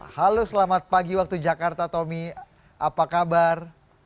halo selamat pagi waktu jakarta tommy apa kabar